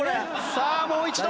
さあもう一度！